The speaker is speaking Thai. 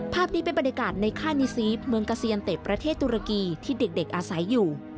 ภาพนี้เป็นบรรยากาศในค่ายนิซีฟเมืองกาเซียนเตะประเทศตุรกีที่เด็กอาศัยอยู่